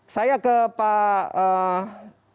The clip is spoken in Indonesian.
saya ke pak